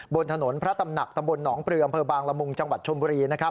บนถนนพระตำหนักตำบลหนองปลืออำเภอบางละมุงจังหวัดชมบุรี